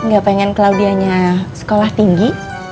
gak pengen claudia nya sekolah tinggi